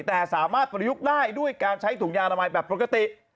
แต่สามารถประยุกต์ได้ด้วยการใช้ถุงยางอนามัยแบบปกติ